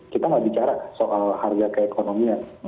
kita nggak bicara soal harga keekonomian